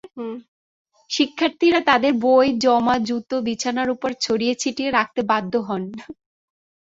শিক্ষার্থীরা তাঁদের বই, জামা, জুতো বিছানার ওপর ছড়িয়ে-ছিটিয়ে রাখতে বাধ্য হন।